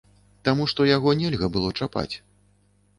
Таму што яго нельга было чапаць.